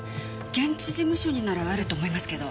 現地事務所にならあると思いますけど。